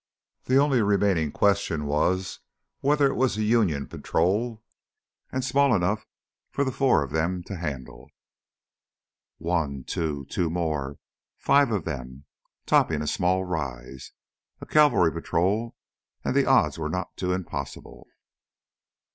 The only remaining question was whether it was a Union patrol and small enough for the four of them to handle. One, two ... two more ... five of them, topping a small rise. A cavalry patrol ... and the odds were not too impossible.